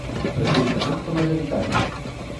Rexeitamento maioritario.